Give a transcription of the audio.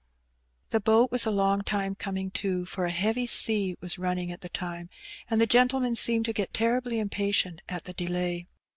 The boat was a long time coming to^ for a heavy sea was running at the time^ and the gentleman seemed to get terribly impatient at the delay.